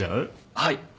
はい。